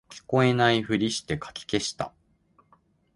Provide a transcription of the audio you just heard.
聞こえないふりしてかき消した